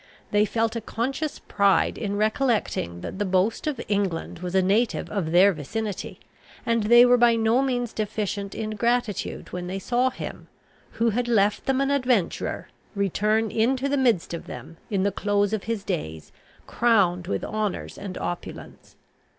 They felt a conscious pride in recollecting that the boast of England was a native of their vicinity; and they were by no means deficient in gratitude when they saw him, who had left them an adventurer, return into the midst of them, in the close of his days, crowned with honours and opulence.